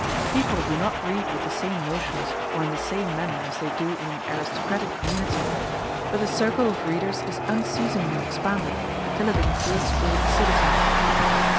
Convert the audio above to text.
People do not read with the same notions or in the same manner as they do in an aristocratic community; but the circle of readers is unceasingly expanded, till it includes all the citizens.